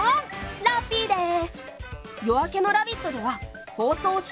ラッピーです！